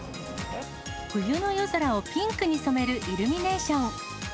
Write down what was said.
冬の夜空をピンクに染めるイルミネーション。